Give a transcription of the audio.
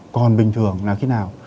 còn bình thường là khi nào